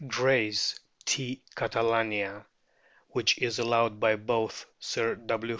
Gray's T. catalama, which is allowed by both Sir W.